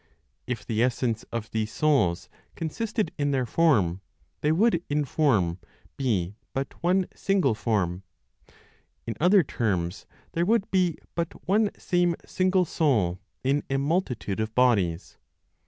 If the essence of these souls consisted in their form, they would, in form, be but one single form; in other terms, there would be but one same single soul in a multitude of bodies.